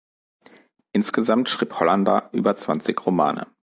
Insgesamt schrieb Hollander über zwanzig Romane.